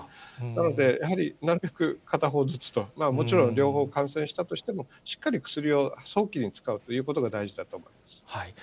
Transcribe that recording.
なのでやはり、なるべく片方ずつと、もちろん両方、感染したとしても、しっかり薬を早期に使うということが大事だと思います。